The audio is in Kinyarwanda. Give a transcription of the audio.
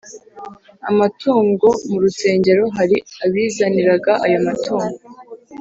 amatungo mu rusengero Hari abizaniraga ayo matungo